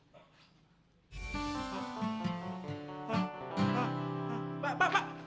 pak pak pak